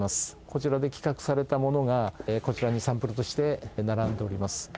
こちらで企画されたものが、こちらにサンプルとして並んでおります。